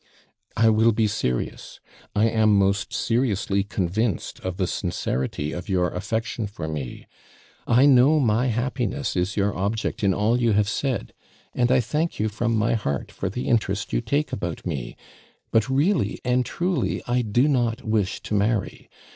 'I will be serious I am most seriously convinced of the sincerity of your affection for me; I know my happiness is your object in all you have said, and I thank you from my heart for the interest you take about me. But really and truly, I do not wish to marry.